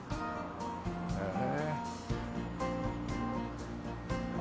へえ。